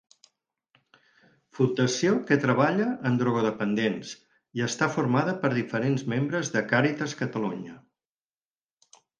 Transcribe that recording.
Fundació que treballa amb drogodependents i està formada per diferents membres de Càritas Catalunya.